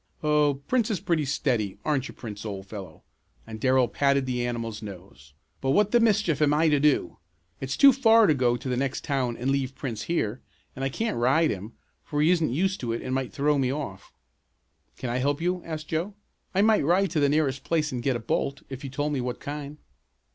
"Oh, Prince is pretty steady; aren't you Prince old fellow?" and Darrell patted the animal's nose. "But what the mischief am I to do? It's too far to go to the next town and leave Prince here, and I can't ride him, for he isn't used to it and might throw me off." "Can I help you?" asked Joe. "I might ride to the nearest place and get a bolt, if you told me what kind."